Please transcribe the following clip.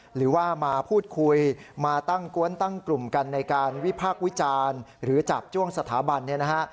หรือว่ามาพูดคุยมาตั้งกวนตั้งกลุ่มกันในการวิพากษ์วิจารณ์หรือจาบจ้วงสถาบันเนี่ยนะฮะ